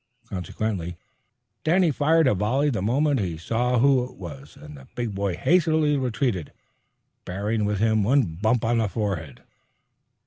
Consequently Danny fired a volley the moment he saw who it was, and the big boy hastily retreated, bearing with him one bump on the forehead.